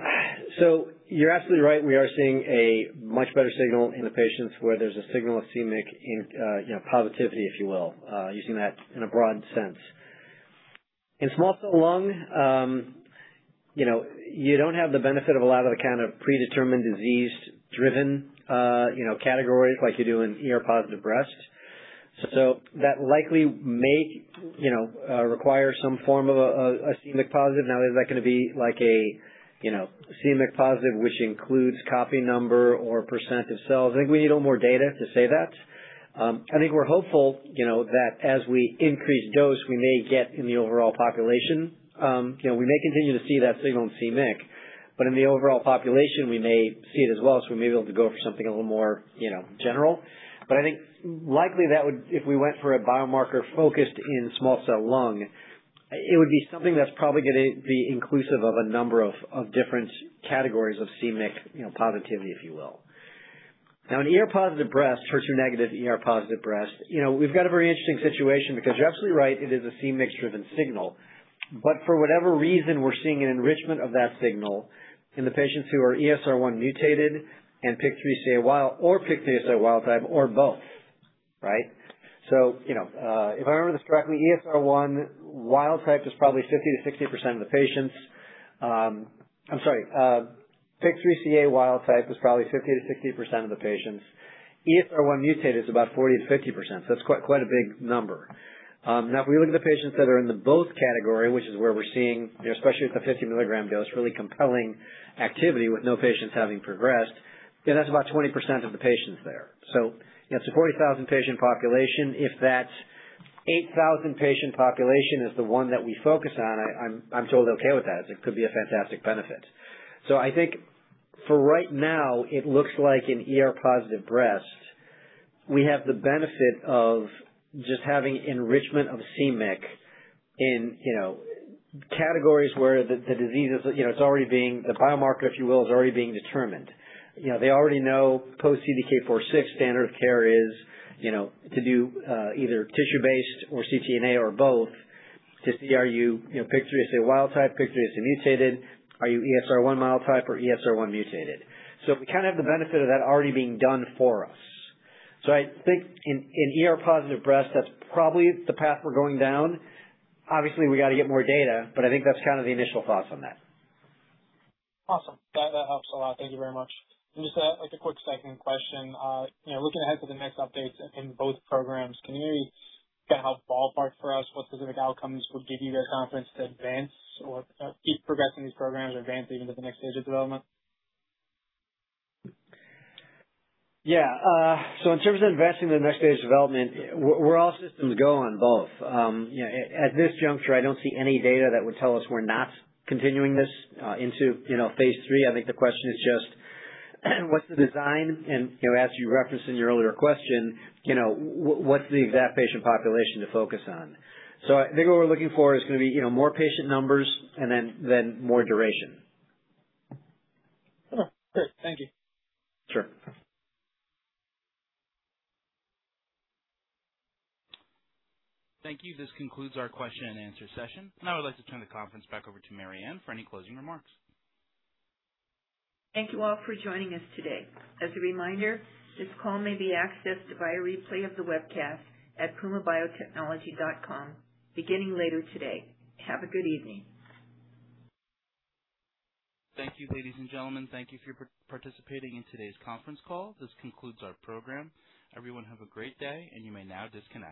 You're absolutely right. We are seeing a much better signal in the patients where there's a signal of c-MYC in, you know, positivity, if you will, using that in a broad sense. In small cell lung, you know, you don't have the benefit of a lot of the kind of predetermined disease-driven, you know, categories like you do in ER-positive breast. That likely may, you know, require some form of a c-MYC+. Now, is that gonna be like a, you know, c-MYC+, which includes copy number or percent of cells? I think we need a little more data to say that. I think we're hopeful, you know, that as we increase dose we may get in the overall population. You know, we may continue to see that signal in c-MYC, but in the overall population, we may see it as well, so we may be able to go for something a little more, you know, general. I think likely that would if we went for a biomarker focused in small cell lung, it would be something that's probably gonna be inclusive of a number of different categories of c-MYC, you know, positivity, if you will. Now, in ER-positive breast, HER2 negative, ER-positive breast, you know, we've got a very interesting situation because you're absolutely right, it is a c-MYC-driven signal. For whatever reason, we're seeing an enrichment of that signal in the patients who are ESR1 mutated and PIK3CA wild type or both, right? You know, if I remember this correctly, ESR1 wild type is probably 50%-60% of the patients. I'm sorry. PIK3CA wild type is probably 50%-60% of the patients. ESR1 mutated is about 40%-50%, so it's quite a big number. Now if we look at the patients that are in the both category, which is where we're seeing, you know, especially at the 50 mg dose, really compelling activity with no patients having progressed, you know, that's about 20% of the patients there. You know, it's a 40,000 patient population. If that 8,000 patient population is the one that we focus on, I'm totally okay with that, as it could be a fantastic benefit. I think for right now it looks like in ER-positive breast, we have the benefit of just having enrichment of c-MYC in, you know, categories where the disease is, you know, the biomarker, if you will, is already being determined. You know, they already know post CDK4/6 standard of care is, you know, to do either tissue-based or ctDNA or both to see are you know, PIK3CA wild type, PIK3CA mutated, are you ESR1 wild type or ESR1 mutated. We kinda have the benefit of that already being done for us. I think in ER-positive breast, that's probably the path we're going down. Obviously, we gotta get more data, but I think that's kind of the initial thoughts on that. Awesome. That helps a lot. Thank you very much. Just a, like a quick second question. You know, looking ahead to the next updates in both programs, can you kinda help ballpark for us what specific outcomes would give you the confidence to advance or, keep progressing these programs or advancing into the next stage of development? In terms of advancing the next stage of development, we're all systems go on both. You know, at this juncture, I don't see any data that would tell us we're not continuing this into, you know, phase III. I think the question is just, what's the design and, you know, as you referenced in your earlier question, you know, what's the exact patient population to focus on. I think what we're looking for is gonna be, you know, more patient numbers and then more duration. Okay, great. Thank you. Sure. Thank you. This concludes our question and answer session, and I would like to turn the conference back over to Mariann Ohanesian for any closing remarks. Thank you all for joining us today. As a reminder, this call may be accessed by a replay of the webcast at pumabiotechnology.com beginning later today. Have a good evening. Thank you, ladies and gentlemen. Thank you for participating in today's conference call. This concludes our program. Everyone have a great day, and you may now disconnect.